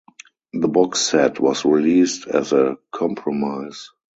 The box set was released as a compromise.